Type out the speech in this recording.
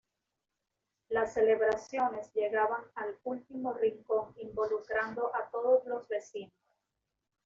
Las celebraciones llegaban al último rincón involucrando a todos los vecinos.